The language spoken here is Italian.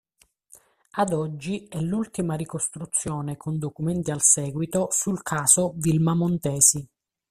Ad oggi è l'ultima ricostruzione con documenti al seguito sul caso Wilma Montesi.